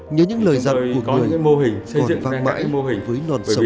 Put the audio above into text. nhớ những lời dặn của người còn vang mãi với non sống